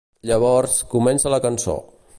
Llavors, comença la cançó.